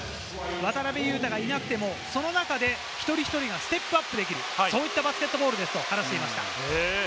渡邊雄太がいなくても、その中で一人一人がステップアップできる、そういったバスケットボールですと話していました。